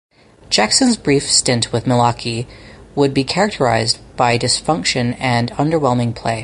Jackson's brief stint with Milwaukee would be characterized by dysfunction and underwhelming play.